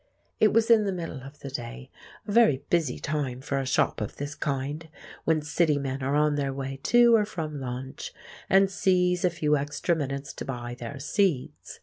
It was in the middle of the day—a very busy time for a shop of this kind, when city men are on their way to or from lunch, and seize a few extra minutes to buy their seeds.